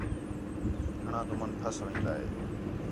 گھݨاں تُمن پَھس وین٘دا ہِے